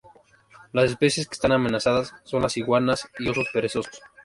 Las especies que están amenazadas son las iguanas y osos perezosos.